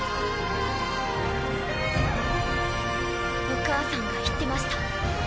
お母さんが言ってました。